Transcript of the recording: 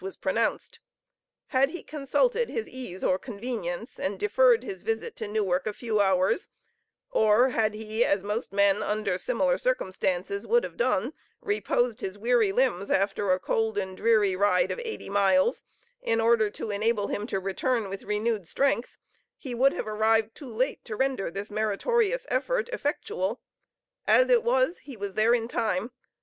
was pronounced. Had he consulted his ease or convenience, and deferred his visit to Newark a few hours, or had he, as most men, under similar circumstances would have done, reposed his weary limbs, after a cold and dreary ride of eighty miles, in order to enable him to return with renewed strength, he would have arrived too late to render this meritorious effort effectual. As it was, he was there in time.